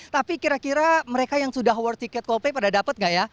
tapi kira kira mereka yang sudah war tiket coldplay pada dapet nggak ya